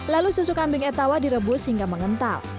lalu susu kambing etawa direbus hingga mengental